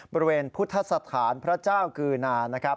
บริเวณพุทธสถานพระเจ้ากือนานะครับ